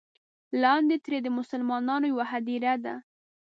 لاندې ترې د مسلمانانو یوه هدیره ده.